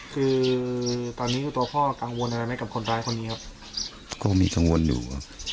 คือตอนนี้ตัวพ่อกังวลอะไรไหมกับคนร้ายคนนี้ครับก็มีกังวลอยู่ครับ